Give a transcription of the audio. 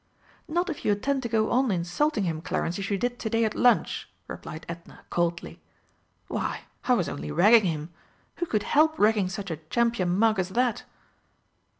"Not if you intend to go on insulting him, Clarence, as you did to day at lunch," replied Edna coldly. "Why, I was only ragging him. Who could help ragging such a champion mug as that?"